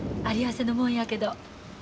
あり合わせのもんやけど。